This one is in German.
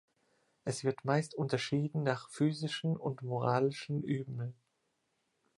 Es wird meist unterschieden nach physischen und moralischen Übeln.